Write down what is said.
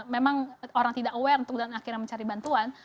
memang orang tidak aware untuk dan akhirnya mencari bantuan